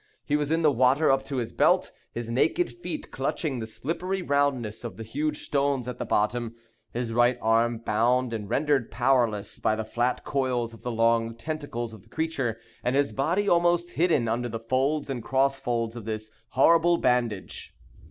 He was in the water up to his belt; his naked feet clutching the slippery roundness of the huge stones at the bottom; his right arm bound and rendered powerless by the flat coils of the long tentacles of the creature, and his body almost hidden under the folds and cross folds of this horrible bandage.